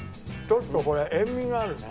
ちょっとこれ塩味があるね。